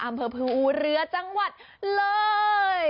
อำเภอภูอูเรือจังหวัดเลย